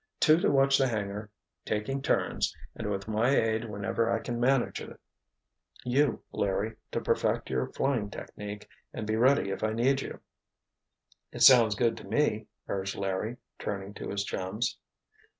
Two to watch the hangar, taking turns, and with my aid whenever I can manage it. You, Larry, to perfect your flying technique and be ready if I need you." "It sounds good to me!" urged Larry, turning to his chums.